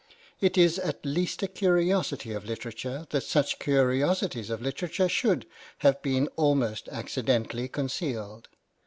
It is at least a curiosity of literature that such curiosities of literature should have been almost accidentally concealed.